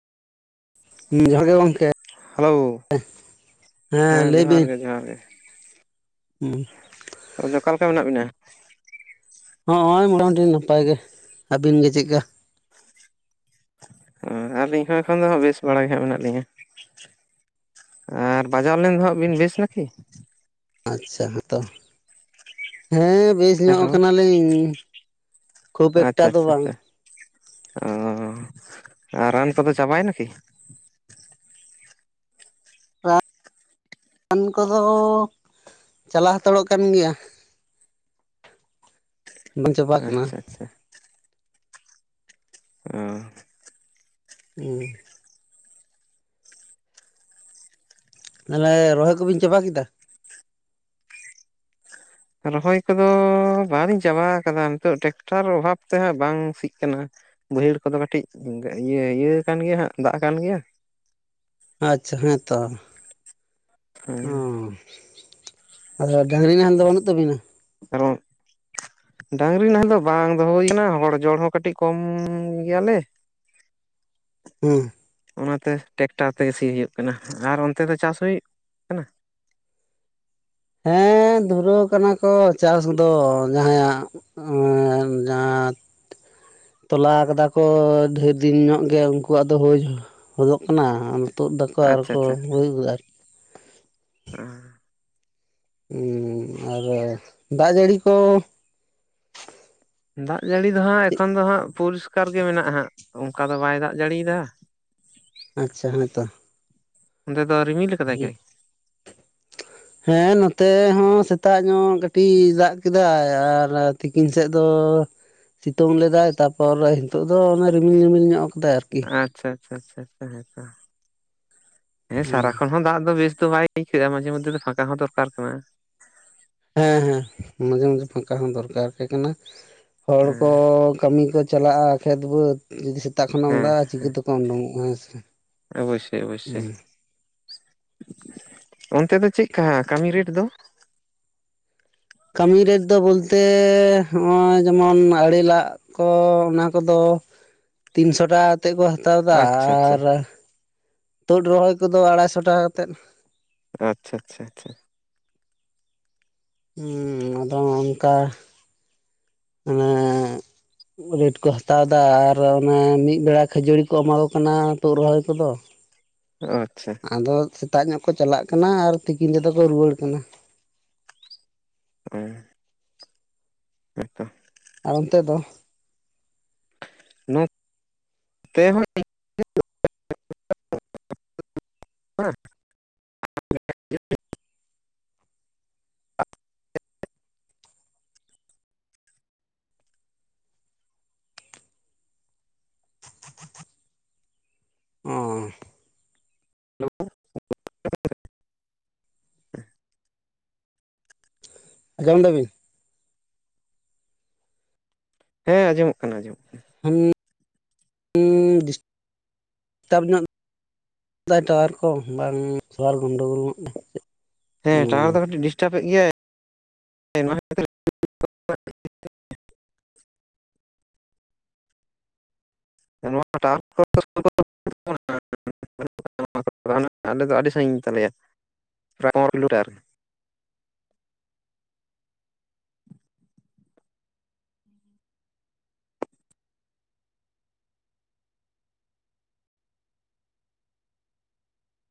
ᱡᱚᱦᱟᱨ ᱜᱮ ᱜᱚᱢᱠᱮ ᱦᱮᱞᱳ ᱾ ᱦᱮᱸ ᱾ ᱞᱟᱹᱭ ᱡᱚᱦᱟᱨ ᱵᱤᱱ? ᱜᱮ ᱡᱚᱦᱟᱨ ᱜᱮ ᱾ ᱦᱩᱸ ᱟᱫᱚ ᱚᱠᱟ ᱞᱮᱠᱟ ᱢᱮᱱᱟᱜ ᱵᱮᱱᱟ? ᱦᱚᱸᱜᱼᱚᱭ ᱢᱚᱴᱟᱢᱩᱴᱤ ᱱᱟᱯᱟᱭ ᱜᱮ ᱾ ᱟᱹᱵᱤᱱ ᱜᱮ ᱪᱮᱫ ᱞᱮᱠᱟ? ᱚ ᱟᱹᱞᱤᱧ ᱦᱚᱸ ᱮᱠᱷᱚᱱ ᱫᱚ ᱦᱟᱸᱜ ᱵᱮᱥ ᱵᱟᱲᱟ ᱜᱮ ᱦᱟᱸᱜ ᱢᱮᱱᱟᱜ ᱞᱤᱧᱟ ᱾ ᱟᱨ ᱵᱟᱡᱟᱣ ᱞᱮᱱ ᱫᱚ ᱦᱟᱸᱜ ᱵᱤᱱ ᱵᱮᱥ ᱱᱟᱠᱤ ᱟᱪᱪᱷᱟ ᱦᱮᱛᱚ ᱦᱮᱸ ᱵᱮᱥ ᱧᱚᱜ ᱦᱮᱞᱳ ᱠᱟᱱᱟᱞᱤᱧ ᱠᱷᱩᱵ ᱮᱠᱴᱟ ᱟᱪᱪᱷᱟ ᱫᱚ ᱟᱪᱪᱷᱟ ᱵᱟᱝ ᱟᱪᱪᱷᱟ ᱚ ᱨᱟᱱ ᱠᱚᱫᱚ ᱪᱟᱵᱟᱭᱮᱱᱟ ᱠᱤ ᱨᱟᱱ ᱠᱚᱫᱚ ᱪᱟᱞᱟᱣ ᱦᱟᱛᱟᱲᱚᱜ ᱠᱟᱱ ᱜᱮᱭᱟ ᱛ [unintelligible] ᱵᱟᱝ ᱪᱟᱵᱟ ᱠᱟᱱᱟ ᱚ ᱦᱩᱸ ᱛᱟᱦᱚᱞᱮ ᱨᱚᱦᱚᱭ ᱠᱚᱵᱤᱱ ᱪᱟᱵᱟ ᱠᱮᱫᱟ ᱨᱚᱦᱚᱭ ᱠᱚᱫᱚ ᱵᱟᱞᱤᱧ ᱪᱟᱵᱟ ᱠᱟᱫᱟ ᱱᱤᱛᱚᱜ ᱴᱮᱠᱴᱟᱨ ᱚᱵᱷᱟᱵ ᱛᱮᱦᱟᱸᱜ ᱵᱟᱝ ᱥᱤᱜ ᱠᱟᱱᱟ ᱵᱟᱹᱭᱦᱟᱹᱲ ᱠᱚᱫᱚ ᱠᱟᱹᱴᱤᱡ ᱤᱭᱟᱹ ᱤᱭᱟᱹ ᱠᱟᱱ ᱜᱮᱭᱟ ᱦᱟᱸᱜ ᱫᱟᱜ ᱠᱟᱱ ᱜᱮᱭᱟ ᱟᱪᱪᱷᱟ ᱦᱮᱸᱛᱚ ᱦᱮᱸ ᱚᱸ ᱟᱫᱚ ᱰᱟᱹᱝᱨᱤ ᱱᱟᱦᱮᱞ ᱫᱚ ᱵᱟᱹᱱᱩᱜ ᱛᱟᱵᱤᱱᱟ ᱠᱟᱨᱚᱱ ᱰᱟᱝᱨᱤ ᱱᱟᱦᱮᱞ ᱫᱚ ᱵᱟᱝ ᱫᱚᱦᱚ ᱦᱩᱭᱠᱟᱱᱟ ᱦᱚᱲ ᱡᱚᱲ ᱦᱚᱸ ᱠᱟᱹᱴᱤᱡ ᱠᱚᱢ ᱜᱮᱭᱟᱞᱮ ᱦᱮᱸ ᱚᱱᱟᱛᱮ ᱴᱮᱠᱴᱟᱨ ᱛᱮᱜᱮ ᱥᱤ ᱦᱩᱭᱩᱜ ᱠᱟᱱᱟ ᱟᱨ ᱚᱱᱛᱮ ᱫᱚ ᱪᱟᱥ ᱦᱚᱭᱩᱜ ᱦᱮᱸ ᱫᱷᱩᱨᱟᱹᱣ ᱠᱟᱱᱟ ᱠᱚ ᱪᱟᱥ ᱫᱚ ᱡᱟᱦᱟᱸᱭᱟᱜ ᱮ ᱡᱟᱦᱟᱸᱛ [unintelligible] ᱛᱚᱞᱟ ᱠᱟᱫᱟ ᱠᱚ ᱰᱷᱮᱨ ᱫᱤᱱ ᱧᱚᱜ ᱜᱮ ᱩᱱᱠᱩᱣᱟᱜ ᱫᱚ ᱦᱩᱭ ᱜᱚᱫᱚᱜ ᱠᱟᱱᱟ ᱛᱩᱫ ᱫᱟᱠᱚ ᱟᱪᱪᱷᱟ ᱟᱨᱠᱚ ᱟᱪᱪᱷᱟ ᱟᱪᱪᱷᱟ ᱦᱩᱭ ᱟᱨᱠᱤ [unintelligible] ᱟᱨ ᱫᱟᱜ ᱡᱟᱹᱲᱤ ᱠᱚ ᱫᱟᱜ ᱡᱟᱹᱲᱤ ᱫᱚ ᱦᱟᱸᱜ ᱮᱠᱷᱚᱱ ᱫᱚ ᱦᱟᱸᱜ ᱯᱚᱨᱤᱥᱠᱟᱨ ᱜᱮ ᱢᱮᱱᱟᱜᱼᱟ ᱦᱟᱸᱜ ᱚᱱᱠᱟ ᱫᱚ ᱵᱟᱭ ᱫᱟᱜ ᱡᱟᱹᱲᱤᱭᱮᱫᱟ ᱟᱪᱪᱷᱟ ᱦᱮᱸ ᱛᱚ ᱚᱱᱛᱮ ᱫᱚ ᱨᱤᱢᱤᱞ ᱠᱟᱫᱟᱭ ᱠᱤ ᱦᱮᱸ ᱱᱚᱛᱮ ᱦᱚᱸ ᱥᱮᱛᱟᱜ ᱧᱚᱜ ᱠᱟᱹᱴᱤᱡ ᱫᱟᱜ ᱠᱮᱫᱟᱭ ᱟᱨ ᱛᱤᱠᱤᱱ ᱥᱮᱫ ᱫᱚ ᱥᱤᱛᱩᱝ ᱞᱮᱫᱟᱭ, ᱛᱟᱯᱚᱨ ᱱᱤᱛᱚᱜ ᱫᱚ ᱚᱱ ᱨᱤᱢᱤᱞ ᱨᱤᱢᱤᱞ ᱧᱚᱜ ᱠᱟᱫᱟᱭ ᱟᱨᱠᱤ ᱟᱪᱪᱷᱟ ᱟᱪᱪᱷᱟ ᱦᱮᱸ ᱦᱩᱸ ᱥᱟᱨᱟᱠᱷᱚᱱ ᱦᱚᱸ ᱫᱟᱜ ᱫᱚ ᱵᱮᱥ ᱫᱚ ᱵᱟᱭ ᱤᱭᱼᱟ ᱢᱟᱡᱮ ᱢᱚᱫᱽᱫᱷᱮ ᱨᱮ ᱯᱷᱟᱸᱠᱟ ᱦᱚᱸ ᱫᱚᱨᱠᱟᱨ ᱠᱟᱱᱟ᱾ ᱦᱮᱸ ᱦᱮᱸ ᱢᱟᱡᱷᱮ ᱢᱟᱡᱷᱮ ᱯᱷᱟᱸᱠᱟ ᱦᱚᱸ ᱫᱚᱨᱠᱟᱨ ᱜᱮ ᱠᱟᱱᱟ᱾ ᱦᱚᱲ ᱠᱚ ᱦᱮᱸ ᱠᱟᱹᱢᱤ ᱠᱚ ᱪᱟᱞᱟᱜᱼᱟ ᱠᱷᱮᱛ ᱵᱟᱹᱫᱽ ᱡᱩᱫᱤ ᱥᱮᱛᱟᱜ ᱠᱷᱚᱱᱮᱢ ᱦᱮᱸ ᱫᱟᱜᱼᱟ ᱪᱤᱠᱟᱹᱛᱮ [unintelligible] ᱦᱮᱸ ᱥᱮ ᱚᱵᱚᱥᱥᱳᱭ ᱦᱩᱸ ᱚᱵᱚᱥᱥᱳᱭ, ᱚᱱᱛᱮ ᱫᱚ ᱪᱮᱫᱠᱟ ᱠᱟᱹᱢᱤ ᱨᱮᱴ ᱫᱚ? ᱠᱟᱹᱢᱤ ᱨᱮᱴ ᱫᱚ ᱵᱚᱞᱛᱮ ᱱᱚᱜᱼᱚᱭ ᱡᱮᱢᱚᱱ ᱟᱲᱮ ᱞᱟᱜ ᱚ ᱚᱱᱟ ᱠᱚᱫᱚ ᱛᱤᱱᱥᱚ ᱴᱟᱠᱟ ᱠᱟᱛᱮᱫ ᱠᱚ ᱦᱟᱛᱟᱣ ᱮᱫᱟ ᱟᱪᱪᱷᱟ ᱟᱪᱪᱷᱟ ᱟᱨ ᱛᱩᱫ ᱨᱚᱦᱚᱭ ᱠᱚᱫᱚ ᱟᱲᱟᱭᱥᱚ ᱴᱟᱠᱟ ᱠᱟᱛᱮᱫ ᱟᱪᱪᱷᱟ ᱟᱪᱪᱷᱟ ᱟᱪᱪᱷᱟ ᱟᱫᱚ ᱚᱱᱠᱟ ᱢᱟᱱᱮ ᱨᱮᱴ ᱠᱚ ᱦᱟᱛᱟᱣ ᱮᱫᱟ ᱟᱨ ᱚᱱᱮ ᱢᱤᱫ ᱵᱮᱲᱟ ᱠᱷᱟᱹᱡᱟᱹᱲᱤ ᱠᱚ ᱮᱢᱟ ᱠᱚ ᱠᱟᱱᱟ ᱛᱩᱫ ᱨᱚᱦᱚᱭ ᱠᱚᱫᱚ ᱟᱪᱪᱷᱟ ᱟᱫᱚ ᱥᱮᱛᱟᱜ ᱧᱚᱜ ᱠᱚ ᱪᱟᱞᱟᱜ ᱠᱟᱱᱟ ᱟᱨ ᱛᱤᱠᱤᱱ ᱛᱮᱫᱚ ᱠᱚ ᱨᱩᱭᱟᱹᱲ ᱠᱟᱱᱟ᱾ [unintelligible] ᱛᱟᱭᱛᱚ [unintelligible] ᱟᱨ ᱚᱱᱛᱮ ᱫᱚ ᱱᱚ ᱛᱮᱦᱚᱸ [unintelligible] [unintelligible] ᱚ [unintelligible] ᱟᱡᱚᱢ ᱫᱟ ᱵᱤᱱ ᱦᱮᱸ ᱟᱸᱡᱚᱢᱚᱜ ᱠᱟᱱᱟ ᱟᱸᱚᱢᱚᱜ ᱠᱟᱱᱟ [unintelligible] [unintelligible] ᱦᱮᱸ ᱦᱩᱸ ᱴᱟᱣᱟᱨ ᱫᱚ ᱠᱟᱹᱴᱤᱡ ᱰᱤᱥᱴᱟᱵ ᱮᱫ ᱜᱮᱭᱟᱭ [unintelligible] [unintelligible] ᱟᱞᱮ ᱫᱚ ᱟᱹᱰᱤ ᱥᱟᱺᱜᱤᱧ ᱜᱮᱛᱟᱞᱮᱭᱟᱟᱭ ᱯᱚᱱᱨᱚ ᱠᱤᱞᱳᱢᱤᱴᱟᱨ ᱟᱨᱠᱤ